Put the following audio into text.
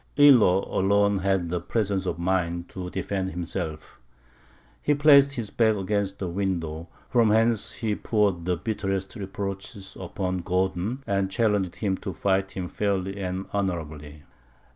Illo alone had the presence of mind to defend himself. He placed his back against a window, from whence he poured the bitterest reproaches upon Gordon, and challenged him to fight him fairly and honourably.